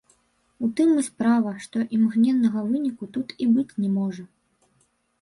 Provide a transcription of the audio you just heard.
У тым і справа, што імгненнага выніку тут і быць не можа.